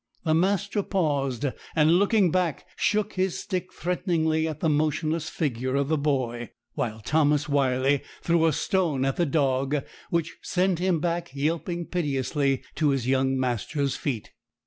The master paused, and, looking back, shook his stick threateningly at the motionless figure of the boy; while Thomas Wyley threw a stone at the dog, which sent him back, yelping piteously, to his young master's feet.